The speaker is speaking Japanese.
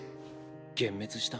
幻滅した？